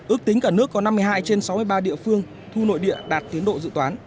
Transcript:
ước tính cả nước có năm mươi hai trên sáu mươi ba địa phương thu nội địa đạt tiến độ dự toán